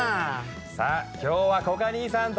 さあ今日はコカ兄さん